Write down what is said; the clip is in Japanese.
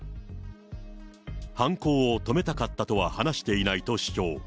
犯行を止めたかったとは話していないと主張。